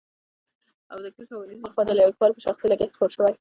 او د کرښه اوو نيزه له خوا د ليکوال په شخصي لګښت خپور شوی.